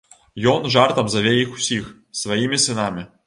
Ён жартам заве іх усіх сваімі сынамі.